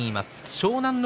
湘南乃